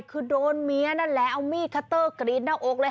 คือโดนเมียนั่นแหละเอามีดคัตเตอร์กรีดหน้าอกเลย